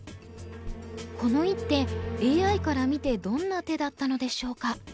この一手ＡＩから見てどんな手だったのでしょうか？